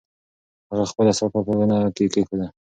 هغه خپله صافه په ونه کې کېښوده.